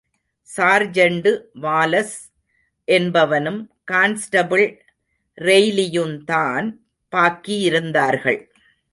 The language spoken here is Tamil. சார்ஜெண்டு வாலஸ் என்பவனும், கான்ஸ்டபிள் ரெய்லியுந்தான் பாக்கியிருந்தார்கள்.